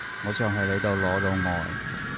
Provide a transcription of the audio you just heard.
我想喺你度攞到愛